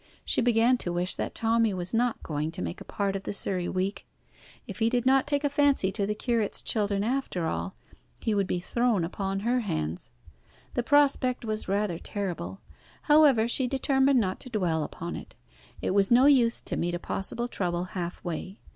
She began to wish that Tommy was not going to make a part of the Surrey week. If he did not take a fancy to the curate's children after all, he would be thrown upon her hands. The prospect was rather terrible. However, she determined not to dwell upon it. It was no use to meet a possible trouble half way.